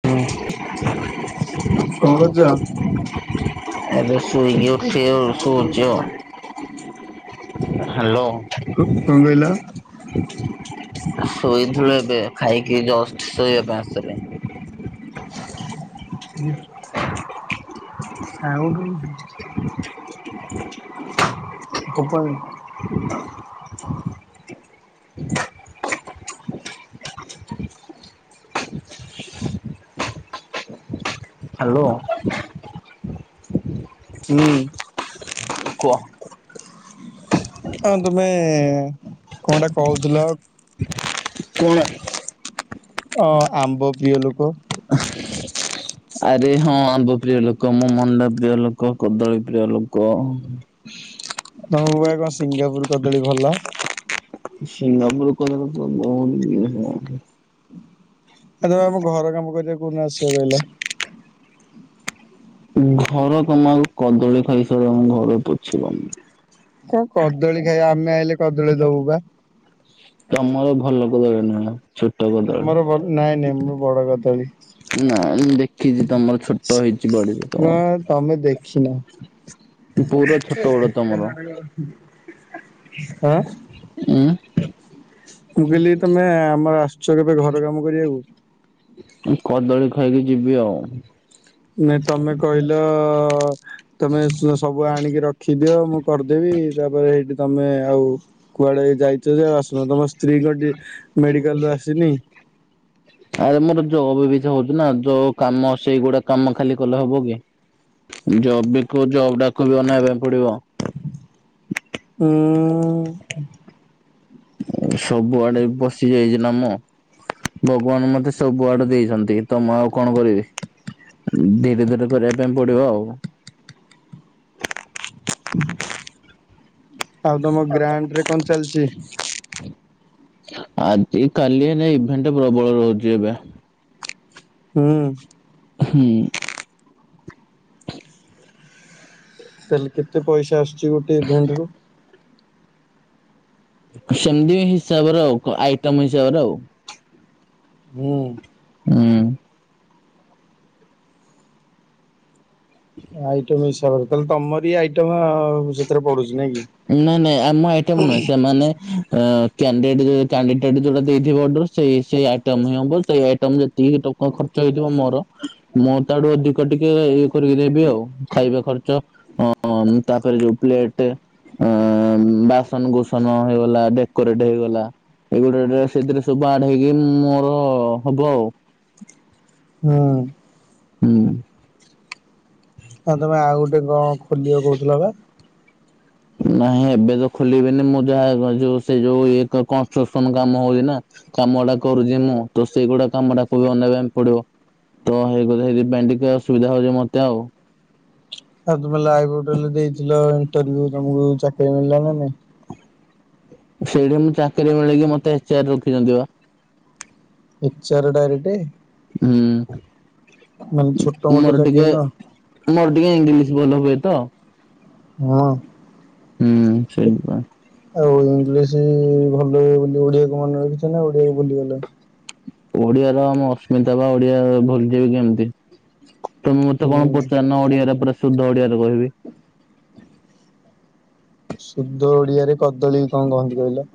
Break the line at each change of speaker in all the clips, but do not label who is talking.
[unintelligible] [unintelligible]
କଣ କରୁଛ?
ରୁସୁ ବଞ୍ଚିବ। ହ୍ୟାଲୋ।
କଣ କହିଲ?
ଶୋଇଥିଲୁ ଏବେ ଖାଇକି ଜଷ୍ଟ ଶୋଇବା ପାଇଁ ଆସିଲି।
ହୁଁ। ଆଉ
ହ୍ୟାଲୋ।
ହୁଁ।
କୁଅ।
ଆଉ ତମେ କଣଟା କହୁଥିଲ
[unintelligible]
ଅ ଆମ୍ବ ପ୍ରିୟ ଲୋକ।
ଆରେ ହଁ ଆମ୍ବ ପ୍ରିୟ ଲୋକ ମୁଁ ମଣ୍ଡା ପ୍ରିୟ ଲୋକ କଦଳୀ ପ୍ରିୟ ଲୋକ। ହ
ତମକୁ ପା କଣ ସିଙ୍ଗାପୁର କଦଳୀ ଭଲ।
ସିଙ୍ଗାପୁର କଦଳୀ ମତେ [unintelligible]
ଆ ତମେ ଆମ ଘର କାମ କରିବାକୁ କଉକୋଉ ଆସିବ କହିଲ।
ହୁଁ ଘର ତମେ ଆଗ କଦଳୀ ଖାଇସାରମ ଘର ପଛେ କାମ
କା କଦଳୀ ଖାଇବା ଆମେ ଆଇେଲେ କଦଳୀ ଦବୁ ବା।
ତମର ଭଲ କଦଳି ନୁହେଁ ଛୋଟ
ଆମର ଭଲ ନାଇଁ ନାଇଁ
କଦଳୀ।
ମୋର ବଡ କଦଳୀ।
ନାଇଁ ମୁଁ ଦେଖିଚି ତମର ଛୋଟ ହେଇଚି ବଡିରେ
କଣ
ତମର।
ତମେ ଦେଖିନ।
ପୁରା ଛୋଟ ବଡ ତମର
ଆଁ।
ଉଁ।
ମୁଁ କହିଲି ତମେ ଆମର ଆସୁଚ କେବେ ଘର କାମ କରିବାକୁ?
କଦଳୀ ଖାଇକି ଯିବି ଆଉ।
ନାଇଁ ତମେ କହିଲ ତମେ ସ ସବୁ ଆଣିକି ରଖିଦିଅ ମୁଁ କରିଦେବି। ତାପରେ ସେଇଠି ତମେ ଆଉ କୁଆଡେ ଯାଇଛ ଯେ ଆସୁନ। ତମ ସ୍ତ୍ରୀ କଣ ଟିକେ ମେଡିକାଲ ରୁ ଆସିନି।
ଆରେ ମୋର ଯୋଉ [unintelligible] ହଉଥିଲା ଯୋଉ କାମ ସେଇଗୁଡା କାମ ଖାଲି କଲେ ହବ କି ଜବ୍ ବି କୋଉ ଜବ ଡାକୁ ବି ଅନେଇବା ପାଇଁ ପଡିବ।
ହୁଁ-ଉ-ଉ ହୁ-ଉ-ଉ।
ସବୁଆଡେ ବସି ଯାଇଛି ନା ମୁ। ଭଗବାନ ମତେ ସବୁ ଆଡୁ ଦେଇଛନ୍ତି ତ ମୁଁ ଆଉ କଣ କରିବି। ଧୀରେ ଧୀରେ କରିବା ପାଇଁ ପଡିବ ଆଉ।
ଆଉ ତମ ଗ୍ରାଣ୍ଡ୍ ରେ କଣ ଚାଲିଛି?
ଆଜି କାଲି ହେଇନେ ଇଭେଣ୍ଟ୍ ପ୍ରବଳ ରହୁଛି ଏବେ।
ହୁଁ।
ହୁଁ।
ତାହେଲେ କେତେ ପଇସା ଆସୁଛି ଗୋଟେ ଇଭେଣ୍ଟ ରୁ?
ସେମିତି ହିସାବରେ ଆଉ ଆଇଟମ ହିସାବରେ ଆଉ।
ହୁଁ।
ହୁଁ।
ଆଇଟମ୍ ହିସାବରେ ତାହେଲେ ତମରି ଆଇଟମ୍-ମ୍-ମ୍ ସେଥିରେ ପଡୁଛି ନାଇଁ କି?
ନାଇଁ ନାଇଁ ଆମ ଆଇଟମ୍, ନାହିଁ ସେମାନେ ଅ-ଅ-ଅ କ୍ୟାଣ୍ଡିଡେ କ୍ୟାଣ୍ଡିଡେଟ ଯୋଉଟା ଦେଇଥିବ ଅଡର ସେଇ ସେଇ ଆଇଟମ୍ ହି ହବ, ସେଇ ଆଇଟମ୍ ରେ ତିନି ଟଙ୍କା ଖର୍ଚ୍ଚ ହେଇଥିବ ମୋର। ମୁଁ ତାଡୁ ଅଧିକ ଟିକେ-ଏ-ଏ କରିକି ଦେବି ଆଉ। ଖାଇବା ଖର୍ଚ, ଅ-ଅ-ଅ ତାପରେ ଯୋଉ ପ୍ଲେଟେ ଅ-ଅ-ଅ-ଅ-ଅ ବାସନ କୁସନ ହେଇଗଲା ଡେକୋରେଟ ହେଇଗଲା। ଏଇଗୁଡେ ଡେ ସେଥିରେ ସବୁ ଆଡ୍ ହେଇକି ମୋର-ଅ-ଅ ହବ ଆଉ।
ହଁ।
ହୁଁ।
ନା ତମେ ଆଉ ଗୋଟେ କଣ ଖୋଲିବ କହୁଥିଲ ବା?
ନାଇଁ ଏବେ ତ ଖୋଲିବେନି ମୁଁ ଯାହା ଯୋଉ ସେ ଯୋଉ ଇଏ କ କଣ ଶୋସନ କାମ ହଉଛି ନା କାମ ଟା କରୁଛି ମୁଁ ତ ସେଇଗୁଡା କାମ ଟାକୁ ବି ଅନେଇବା ପାଇଁ ପଡିବ। ତ ହେଇକ ସେଇଥିପାଇଁ ଟିକେ ଅସୁବିଧା ହଉଛି ମତେ ଆଉ।
ଆଉ ତମେ ଲାଇଭ୍ ହୋଟେଲ ଦେଇଥିଲ ଇଣ୍ଟରଭିୟୁ ତମକୁ ଚାକିରି ମିଳିଲାନା ନାଇଁ?
ସେଇଠି ମୁଁ ଚାକିରି ମିଳିକି ମତେ ଏଚ ଆର୍ ରଖିଛନ୍ତି ବା।
ଏଚ ଆର୍ ଡାରେକଟେ?
ହୁଁ
ଛୋଟ ମୋଟ
ମୋର
ଚାକିରି
ଟିକେ
ନୁହଁ
ମୋର ଟିକେ ଇଂଲିଶ ଭଲ ହୁଏ ତ।
ହଁ।
ହୁଁ ସେଇଥିପାଇଁ।
ଆଉ ଇଂଲିଶି-ଇ-ଇ-ଇ ଭଲ ବୋଲି ଓଡିଆକୁ ମନେ ରଖିଛ ନା ଓଡିଆକୁ ଭୁଲିଗଲଣି?
ଓଡିଆ ର ଆମ ଅସ୍ମିତା ବା ଓଡିଆ ଭୁଲିଯାଇଛନ୍ତି। ତମେ ମତେ କଣ
ହୁଁ।
ପଚାରୁନ ଓଡିଆରେ ପୁରା ଶୁଦ୍ଧ ଓଡିଆରେ କହିବି।
ସୁଦ୍ଧ ଓଡିଆରେ କଦଳୀ କୁ କଣ କହନ୍ତି କହିଲ?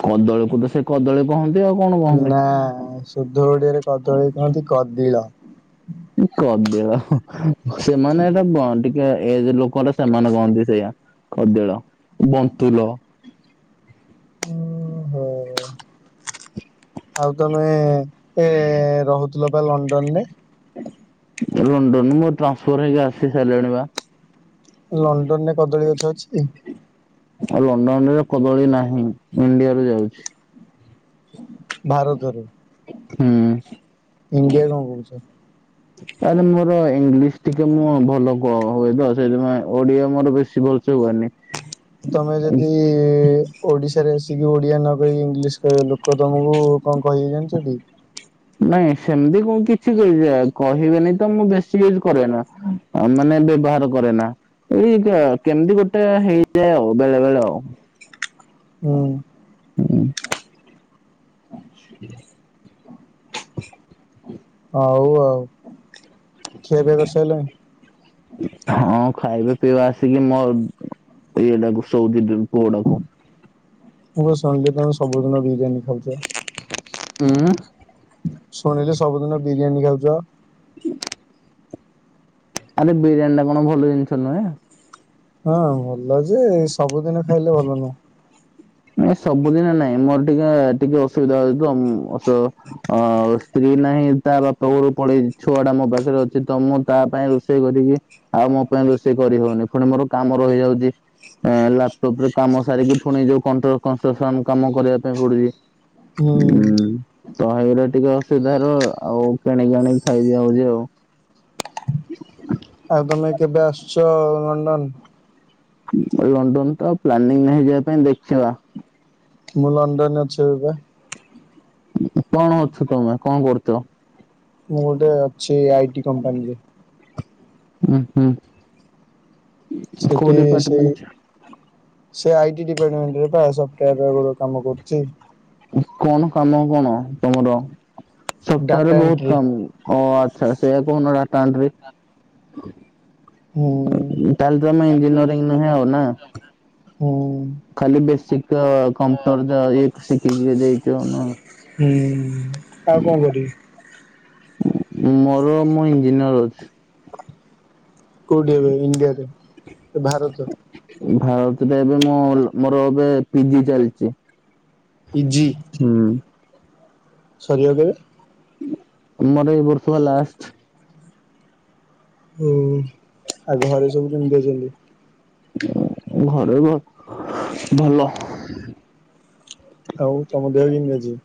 କଦଳି କୁ ତ ସେ କଦଳୀ କହନ୍ତି ଆଉ କଣ କହନ୍ତି।
ନା ସୁଧ ଓଡିଆରେ କଦଳୀ କୁହନ୍ତି କଦିଳ।
କଦିଳ ସେମାନେ ଏଟା ଅ ଟିକେ ଏଜ୍ ଲୋକଗୁରା ସେମାନେ କହନ୍ତି ସେଇୟା କଦିଳ, ବନ୍ତୁଲ।
ଉ ହୋ। ଆଉ ତମେ-ଏ-ଏ-ଏ ଏ-ଏ ରହୁଥିଲ ବା ଲଣ୍ଡନରେ?
ଲଣ୍ଡନରେ ମୋର ଟ୍ରାନ୍ସଫର ହେଇକି ଆସି ସାରିଲିଣିିବା।
ଲଣ୍ଡନରେ କଦଳୀ ଗଛ ଅଛି?
ଆଉ ଲଣ୍ଡନ ରେ କଦଳୀ ନାହିଁ। ଇଣ୍ଡିଆ ରୁ ଯାଉଛି।
ଭାରତରେ
ହୁଁ।
ଇଂଣ୍ଡିଆ କଣ କହୁଚ?
ଆରେ ମୋର ଇଂଲିଶ ଟିକେ ମୁଁ ଭଲ କ ହୁଏ ତ ସେଇଯୋଉ ଆଁ ଓଡିଆ ମୋର ବେଶୀ ଭଲସେ ହୁଏନି।
ତମେ ଯଦି। ଓଡିଶାରେ ଆସିକି ଓଡିଆ ନ କହିକି ଇଂଲିଶ କହିବେ ଲୋକ ତମକୁ କଣ କହିବେ ଜାଣିଚଟି।
ନାଇଁ ସେମିତି କଣ କିଛି [unintelligible] କହିବେନି ତ ମୁଁ ବେଶୀ ସିଏଜ୍‌ କରେନା ମାନେ ବ୍ୟବହାର କରେ ନା। ଏଇଟା କେମିତି ଗୋଟେ ହେଇଯାଏ ଆଉ ବେଳେ ବେଳେ ଆଉ।
ହୁଁ।
ହୁଁ।
ହଉ ଆଉ ଖିଆପିଆ କରିସାରିଲଣି।
ହଁ ଖାଇବା ପିଇବା ଆସିକି ମୋର ଏଇଡାକୁ ସଉଦି ପୁଅଡାକୁ।
ମୁଁ କଣ ସଂଗୀତର ସବୁଦିନ ବିରିୟାନୀ ଖାଉଚ।
ଉଁ
ଶୁଣିଲେ ସବୁଦିନ ବିରିୟାନୀ ଖାଉଛ।
ଆରେ ବିରିୟାନୀ ଟା କଣ ଭଲ ଜିନିଷ ନୁହେଁ।
ହଁ ଭଲ ଯେ ସବୁଦିନ ଖାଇଲେ ଭଲ ନୁହଁ।
ଏ ସବୁଦିନ ନାଇଁ ମୋର ଟିକେ ଟିକେ ଅସୁବିଧା ହଉଛି ତ ଅ ସ୍ତ୍ରୀ ନାହିଁ ତା ବାପା ଘୋରୁ ପଳେଇ ଛୁଆ ଟା ମୋ ପାଖରେ ଅଛି ତ ମୁଁ ତା ପାଇଁ ରୋଷେଇ କରିକି ଆଉ ମୋ ପାଇଁ ରୋଷେଇ କରି ହଉନି ଫୁଣି ମୋର କାମ ରହିଯାଉଛି। ଲାପ୍ ଟପ୍ ରେ କାମ ସାରିକି ଫୁଣି ଯୋଉ କଟ୍ର କଷ୍ଟ୍ରକ୍ସନ କାମ କରିବା ପାଇଁ
ହୁଁ
ପଡୁଚି ତହେଇରା ଟିକେ ଅସୁବିଧା ର ଆଉ କିଣିକି ଆଣିିକି ଖାଇଦିଆ ହଉଚି ଆଉ।
ଆଉ ତମେ କେବେ ଆସ୍‌ଚ ଲଣ୍ଡନ
ଲଣ୍ଡନ ତ ପ୍ଲାନିଂ ହେଇଯିବା ପାଇଁ ଦେଖିବା
ମୁଁ ଲଣ୍ଡନରେ ଅଛି ଏବେ ପା।
କଣ ଅଛୁ ତମେ କଣ କରୁଛ?
ମୁଁ ଗୋଟେ ଅଛି ଆଇଟି କମ୍ପାନୀରେ।
ହୁଁ ହୁଁ। କୋଉ
ସେଠି ସେଇ
ଡିପାର୍ଟମେଣ୍ଟ
ସେ ଆଇଟି ଡିପାର୍ଟମେଣ୍ଟରେ ପା ସପ୍ଟୟର କାମ କରୁଛି।
କଣ କାମ କଣ ତମର
ଡାଟା
ସପ୍ଟୟାରେ ବହୁତ୍
ଏଣ୍ଟ୍ରି
କାମ ଅ ଆ ସେଇଆ କୁହ ନ ଡାଟା ଏଣ୍ଟ୍ରି।
ହୁଁ।
ତାଲେ ତମେ ଇଞ୍ଜିନିୟରିଂ ନୁହେଁ ଆଉ ନା।
ହୁଁ।
ଖାଲି ବେସିକ୍ ତ କମ୍ପ୍ୟୁଟର ଯା [unintelligible] ଯାଇଛ ନା?
ହୁଁ ଆଉ କଣ କରିବି।
ମୋର ମୁଁ ଇଞ୍ଜିନିୟର ଅଛି।
କୋଉଠି ଏବେ ଇଣ୍ଡିଆରେ ଭାରତ।
ଭାରତରେ ଏବେ ମୁଁ ମୋର ଏବେ ପିଜି ଚାଲିଛି।
ଇଜି
ହୁଁ।
ସରିବ କେବେ?
ଆମର ଏଇ ବର୍ଷ ପା ଲାଷ୍ଟ।
ଓ ଆଉ ଘରେ ସବୁ କେମିତି ଅଛନ୍ତି?
ଘରେ ଭ ଭଲ।
ଆଉ ତମ ଦେହ ବି କେମିତି ଅଛି?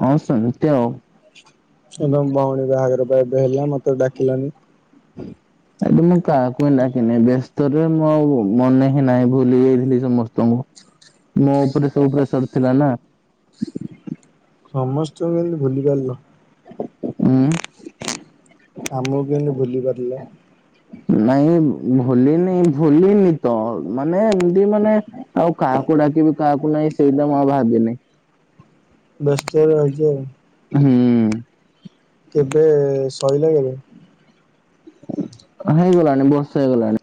ହଁ ସେମ୍ ତି ଆଉ।
ଏବଂ ଭଉଣୀ ବାହାଘର ବା ଏବେ ହେଲା ମତେ ଡାକିଲାନି।
ଏବେ ମୁଁ କାହାକୁ ଡାକି ନାହିଁ ବ୍ୟସ୍ତରେ ମୁଁ ଆଉ ମନେ ନାଇଁ ଭୁଲି ଯାଇଥିଲି ସମସ୍ତଙ୍କୁ ମୋ ଉପରେ ସବୁ ପ୍ରେସର ଥିଲା ନା।
ସମସ୍ତଙ୍କୁ କେମତି ଭୁଲି ପାରିଲ?
ହୁଁ।
ଆମକୁ କେଏତି ଭୁଲିପାରିଲ?
ନାଇଁ ଭୁଲିନି ଭୁଲିନି ତ ମାନେ ଏମତି ମାନେ ଆଉ କାହାକୁ ଡାକିବି କାହାକୁ ନାଇଁ ସେଇଟା ମୁଁ ଆଉ ଭାବିନି।
ଦଶ ଟାରେ ରଇଛି ଆଉ
ହୁଁ
କେବେ ଶୋଇଲା କେବେ [unintelligible]
ହେଇଗଲାଣି ବର୍ଷେ ହେଇଗଲାଣି।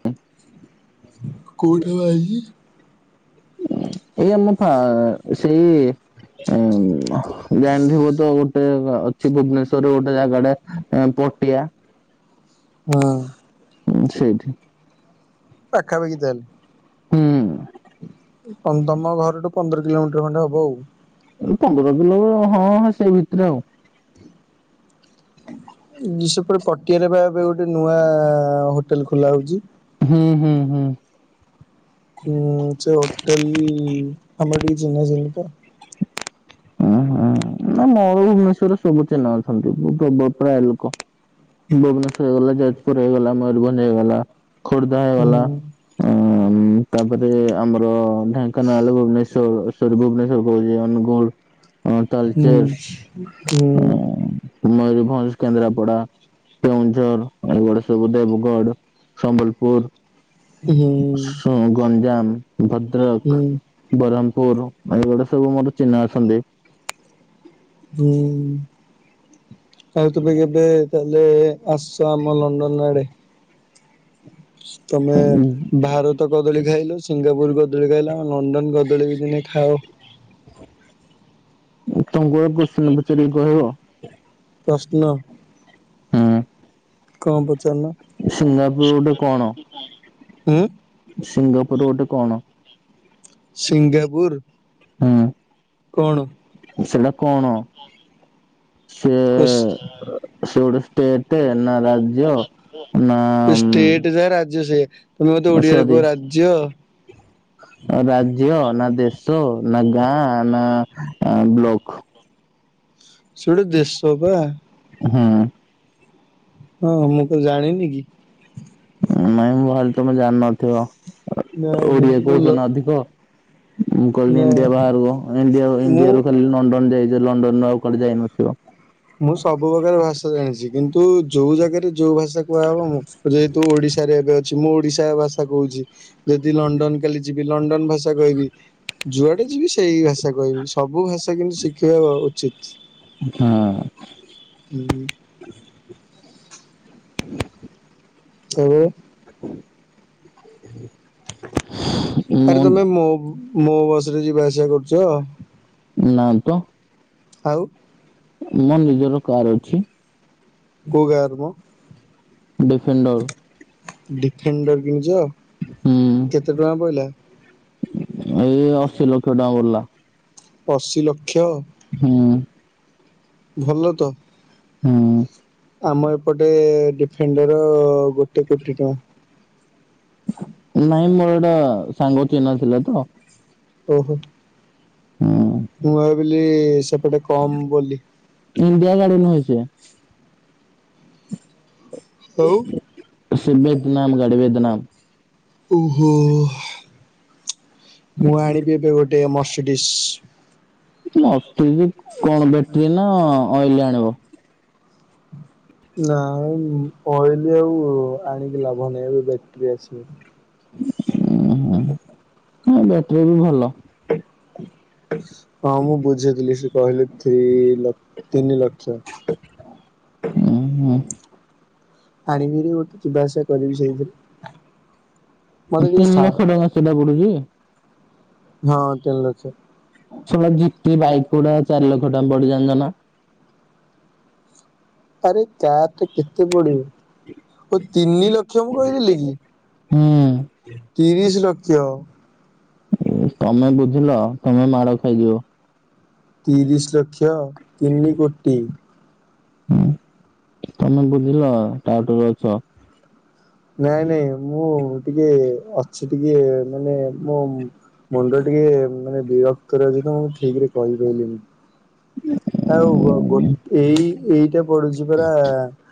କୋଠେ ବାହାହେଇଛି?
ଏଇ ଆମ ଫା ସେଇ ଉଁ ଗାନ୍ଧିବ ତ ଗୋଟେ ଅଛି ଭୁବନେଶ୍ଵରରେ ଗୋଟେ ଜାଗା ଟେ ପଟିଆ
ହଁ
ସେଇଠି।
ପାଖାପାଖି ତାହାଲେ।
ହୁଁ
ତମ ଘରଠୁ ପନ୍ଦର କିଲୋମିଟର ଖଣ୍ଡେ ହବ ଆଉ।
ପନ୍ଦର କିଲୋ ହଁ ହଁ ସେଇ ଭିତରେ ଆଉ।
ସେପଟେ ପଟିଆରେ ବା ଏବେ ଗୋଟେ ନୂଆ ହୋଟେଲ ଖୋଲା ହଉଛି।
ହୁଁ ହୁଁ ହୁଁ।
ଉ ସେ ହୋଟେଲ ଆମ ଏଠି ଚିହ୍ନା ଚିହ୍ନି ତ।
ଉଁ ହୁଁ ନା ମୋର ଭୁବନେଶ୍ଵରରେ ସବୁ ଚିହ୍ନା ଅଛନ୍ତି ଗବ ପ୍ରାୟ ଲୋକ। ଭୁବନେଶ୍ୱର ହେଇଗଲା, ଯାଜପୁର ହେଇଗଲା, ମୟୂରଭଞ୍ଜ ହେଇଗଲା। ଖୋର୍ଦ୍ଧା ହେଇଗଲା
ହୁଁ
ଉ ତାପରେ ଆମର ଢେଙ୍କାନାଳ ଭୁବନେ ସ ସରୀ ଭୁବନେଶ୍ଵର କହୁଛି ଅନୁଗୁଳ ହଁ। ତାଲଚେର
ହୁଁ ହୁଁ।
ମୟୂରଭଞ୍ଜ, କେନ୍ଦ୍ରାପଡା। କେଉଁଝର ଏଗଡେ ସବୁ ଦେବଗଡ଼ ସମ୍ବଲପୁର।
ହୁଁ।
ସୁନ୍ ଗଞ୍ଜାମ, ଭଦ୍ରକ,
ହୁଁ।
ବରହମପୁର ଏଗୁଡ଼ା ସବୁ ମୋର ଚିହ୍ନା ଅ ଛନ୍ତି।
ହୁଁ। ଆଉ ତେବେ କେବେ ତାହେଲେ ଆସ ଆମ ଲଣ୍ଡନ ଆଡେ। ତମେ
ଅଛନ୍ତି।
ଭାରତ କଦଳୀ ଖାଇଲ, ସିଙ୍ଗାପୁର କଦଳୀ ଖାଇଲ, ଲଣ୍ଡନ କ ଦଳିକି ଦିନେ ଖାଅ।
ତମକୁ ଗୋଟେ କୋଚିଂନ୍ ପଚାରିବି କହିବ?
ପ୍ରଶ୍ନ କଅଁ ପଚାରୁ ନା।
ସିଙ୍ଗାପୁର ଗୋଟେ କଣ? ସିଙ୍ଗାପୁର ଗୋଟେ କଣ?
ସିଙ୍ଗାପୁର କଣ?
ହୁଁ ସେଟା କଣ? ସେ
ଖୁସ୍
ସେ ଗୋଟେ ଷ୍ଟେଟ ନା ରାଜ୍ୟ ନା ଉମ୍
ଏ ରାଜ୍ୟ ସିଏ ତମେ ମତେ ଓଡିଆରେ କୁହ ରାଜ୍ୟ।
ରାଜ୍ୟ ନା, ଦେଶ ନା, ଗାଁ ନା ବ୍ଲକ?
ସେ ଗୋଟେ ଦେଶ ପା।
ହୁଁ।
ହଁ ମୁଁ କଅଁ ଜାଣିନି କି।
ନାଇଁ ମୁଁ ଭାବିଲି ତମେ ଜାଣିନଥିବ।
ନାଇଁ ନାଇଁ
ଓଡିଆ
ମୁଁ
କହୁଛ
ଲ
ନା ଅଧିକ। ମୁଁ କହିଲି
ନା
ଇଣ୍ଡିଆ ବାହାରକୁ ଇଣ୍ଡିଆ
ମୁଁ
ଇଣ୍ଡିଆରୁ ଖାଲି ଲଣ୍ଡନ ଯାଇଛ ଲଣ୍ଡନରୁୁ ଆଉ କୁଆଡେ ଯାଇନଥିବ।
ମୁଁ ସବୁ ପ୍ରକାର ଭାଷା ଜାଣିଛି କିନ୍ତୁ ଯୋଉ ଜାଗାରେ ଯୋଉ ଭାଷା କୁହାହବ ମୁଁ ଯେହେତୁ ଓଡିଶାରେ ଏବେ ଅଛି। ମୁଁ ଓଡିଶା ଭାଷା କହୁଛି। ଯଦି ଲଣ୍ଡନ କାଲି ଯିବି ଲଣ୍ଡନ ଭାଷା କହିବି। ଯୁଆଡେ ଯିବି ସେଇ ଭାଷା କହିବି ସବୁ ଭାଷା କିନ୍ତୁ ଶିଖିବା ବା ଉଚିତ୍।
ହଁ।
ହୁଁ।
[unintelligible] [unintelligible]
ଏବେ।
[unintelligible] ମୋ
ଆରେ ତମେ ମୋ ମୋ ବସ ରେ ଯିବା ଆସିବା କରୁଛ।
ନା ତ।
ଆଉ।
ମୋ ନିଜର କାର ଅଛି।
କୋଉ କାର ମ
ଡିଫେଣ୍ଡର
ଡିଫେଣ୍ଡର କିଣିଛ
ହୁଁ।
କେତେ ଟଙ୍କା ପଇଲା
ଏଇ ଅଶୀ ଲକ୍ଷ ଟଙ୍କା ବଲା।
ଅଶୀ ଲକ୍ଷ।
ହୁଁ।
ଭଲ ତ।
ହୁଁ।
ଆମ ଏପଟେ ଡ଼ିଫେଣ୍ଡର ଗୋଟେ କୋଟି ଟଆଁ।
ନାଇଁ ମୋର ଏଟା ସାଙ୍ଗ ଚିହ୍ନା ଥିଲା ତ।
ଓହୋ।
[unintelligible]
ମୁଁ ଭାବିଲି ସେପଟେ କମ୍ ବୋଲି।
ଇଣ୍ଡିଆ ଗାଡ଼ି ନେଇ ଆସିବେ।
ହଉ।
ସୁଭେଦନାମ୍ ଗାଡ଼ି ବେଦନାମ୍।
ଓହୋ ମୁଁ ଆଣିବି ଏବେ ଗୋଟେ ମର୍ସିଡ଼ିସ୍।
ମସ୍ଛି ଜି କଣ ବ୍ୟାଟେରୀ ନା ଅଏଲେ ଆଣିବ।
ହୁଁ। ନାଇଁ ଅଏଲି ଆଉ ଆଣିକି ଲାଭ ନାହିଁ ଏବେ ବ୍ୟାଟେରି ଆସିବ।
[unintelligible] ବ୍ୟାଟେରୀ ବି ଭଲ।
ହଁ ମୁଁ ବୁଝେଇଥିଲି ସେ କହିଲେ ଥ୍ରୀ ଲ ତିନି ଲକ୍ଷ।
ହୁଁ ହୁଁ।
ଆଣିବିରିି ଗୋଟେ ଯିବା ଆସିବା କରିବି ସେଇଥିରେ।
ତିନି ଲକ୍ଷ ଟଙ୍କା ସେଟା ପଡୁଛି
[unintelligible] ହଁ ତିନି ଲକ୍ଷ।
ଶଳା ଜିପି ବାଇ ଗୁଡ଼ା ଚାରି ଲକ୍ଷ ଟଙ୍କା ପଡ଼େ ଜାଣିଛ ନା।
ଆରେ ତାର ର କେ କେତେ ପଡ଼ିବ ଓ ତିନି ଲକ୍ଷ ମୁଁ କହିଦେଲିି କି।
ହୁଁ
ତିରିଶ ଲକ୍ଷ।
ଏ ତମେ ବୁଝିଲ ତମେ ମାଡ଼ ଖାଇଯିବ।
ତିରିଶ ଲକ୍ଷ ତିନି କୋଟି।
ହୁଁ ତମେ ବୁଝିଲ ଟାଉଟର ଅଛ।
ନାଇଁ ନାଇଁ ମୁଁ ଟିକେ ଅଛି ଟିକେ ମାନେ ମୋ ମୁଣ୍ଡ ଟିକେ ମାନେ ବିରକ୍ତରେ ଅଛି ତ ମୁଁ ଠିକରେ କହି ପାଇଲିନି। ଆଉ ଗୋ ଗୋ ଏଇ ଏଇଟା ପଡ଼ୁଛି ପରା